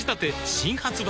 新発売